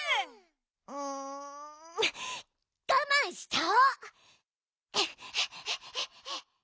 うんがまんしちゃおう！